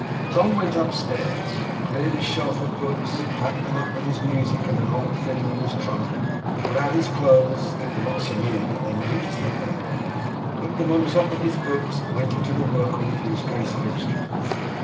Tom went upstairs; cleared his shelf of books; packed them up with his music and an old fiddle in his trunk; got out his clothes (they were not so many that they made his head ache); put them on the top of his books; and went into the workroom for his case of instruments.